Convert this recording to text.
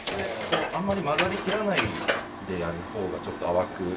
あんまり混ざりきらないでやる方がちょっと淡く。